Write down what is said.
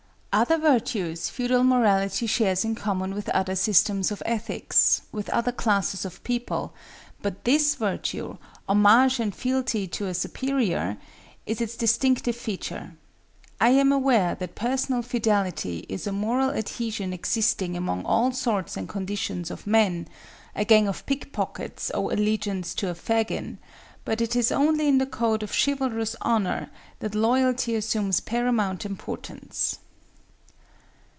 Other virtues feudal morality shares in common with other systems of ethics, with other classes of people, but this virtue—homage and fealty to a superior—is its distinctive feature. I am aware that personal fidelity is a moral adhesion existing among all sorts and conditions of men,—a gang of pickpockets owe allegiance to a Fagin; but it is only in the code of chivalrous honor that Loyalty assumes paramount importance.